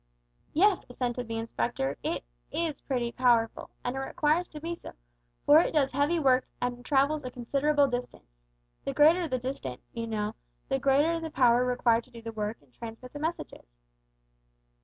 "Yes," assented the Inspector, "it is pretty powerful, and it requires to be so, for it does heavy work and travels a considerable distance. The greater the distance, you know, the greater the power required to do the work and transmit the messages.